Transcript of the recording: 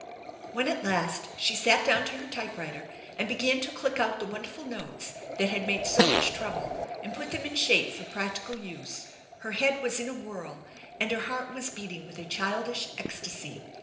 When at last she sat down to her typewriter and began to click out the wonderful notes that had made so much trouble, jind put them in shape for practical use, her head was in a whirl and her heart was beating with a childish ecstasy.